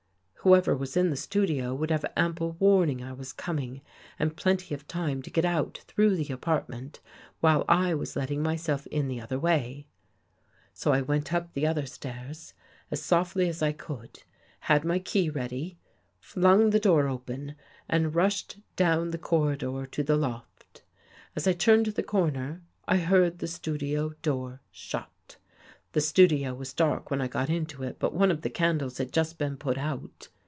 Whoever was in the studio would have ample warning I was coming and plenty of time to get out through the apartment while I was letting myself in the other way. " So I went up the other stairs, as softly as I could, had my key ready, flung the door open and rushed down the corridor to the loft. As I turned the corner, I heard the studio door shut. The studio was daric when I got into it, but one of the candles had just been put out.